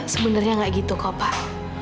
sebenarnya nggak gitu kok pak